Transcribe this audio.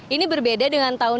ini berbeda dengan tahun ini